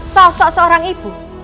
sosok seorang ibu